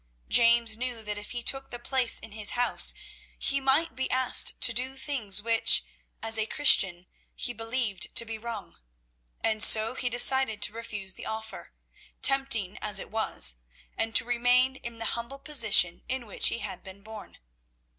James knew that if he took the place in his house, he might be asked to do things which as a Christian he believed to be wrong; and so he decided to refuse the offer, tempting as it was, and to remain in the humble position in which he had been born.